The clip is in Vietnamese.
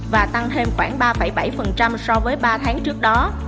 và tăng thêm khoảng ba bảy so với ba tháng trước đó